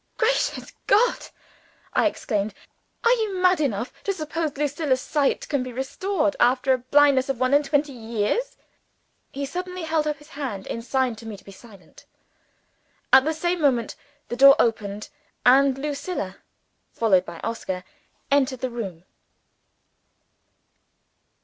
"Gracious God!" I exclaimed, "are you mad enough to suppose that Lucilla's sight can be restored, after a blindness of one and twenty years?" He suddenly held up his hand, in sign to me to be silent. At the same moment the door opened; and Lucilla (followed by Oscar) entered the room.